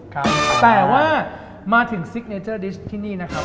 ครับแต่ว่ามาถึงซิกเนเจอร์ดิสต์ที่นี่นะครับ